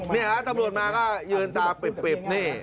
นี่ฮะตำรวจมาก็เยือนตาเปรียบเน่